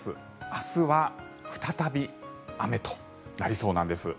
明日は再び雨となりそうなんです。